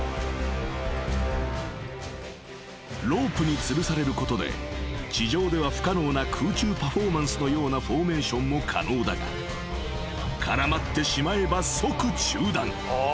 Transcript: ［ロープにつるされることで地上では不可能な空中パフォーマンスのようなフォーメーションも可能だが絡まってしまえば即中断］